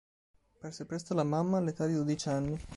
Perse presto la mamma all'età di dodici anni.